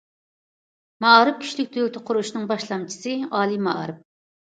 مائارىپ كۈچلۈك دۆلىتى قۇرۇشنىڭ باشلامچىسى ئالىي مائارىپ.